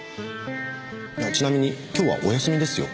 ちなみに今日はお休みですよ？